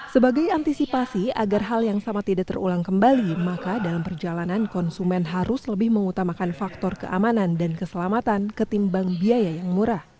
sebagai antisipasi agar hal yang sama tidak terulang kembali maka dalam perjalanan konsumen harus lebih mengutamakan faktor keamanan dan keselamatan ketimbang biaya yang murah